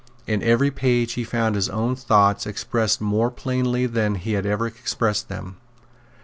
In every page he found his own thoughts expressed more plainly than he had ever expressed them.